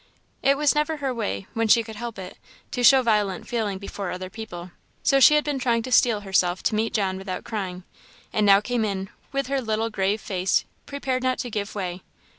It was never her way, when she could help it, to show violent feeling before other people; so she had been trying to steel herself to meet John without crying, and now came in with her little grave face, prepared not to give way.